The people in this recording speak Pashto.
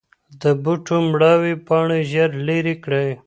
د بوټو مړاوې پاڼې ژر لرې کړئ.